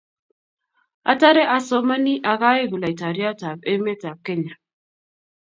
Atare asomani akaeku laitoriat ab emet ab Kenya